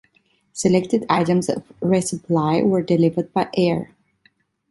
Selected items of resupply were delivered by air.